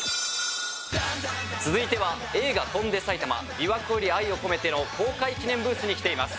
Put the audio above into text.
続いては、映画「翔んで埼玉琵琶湖より愛をこめて」の公開記念ブースに来ています。